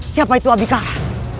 siapa itu abikara